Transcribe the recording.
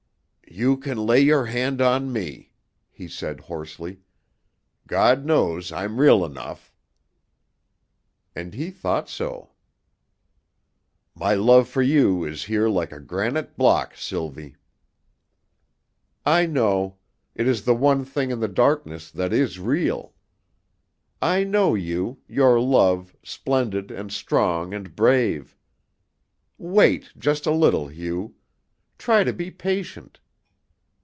"You can lay your hand on me," he said hoarsely. "God knows I'm real enough." And he thought so! "My love for you is here like a granite block, Sylvie." "I know. It is the one thing in the darkness that is real. I know you your love, splendid and strong and brave. Wait just a little, Hugh. Try to be patient.